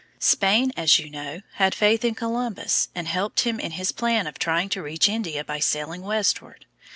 ] Spain, as you know, had faith in Columbus, and helped him in his plan of trying to reach India by sailing westward.